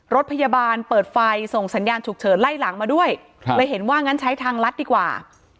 รถพยาบาลเปิดไฟส่งสัญญาณฉุกเฉินไล่หลังมาด้วยเลยเห็นว่างั้นใช้ทางลัดดีกว่า